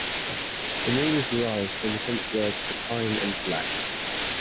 The name is derived from the French words for "pine" and "black.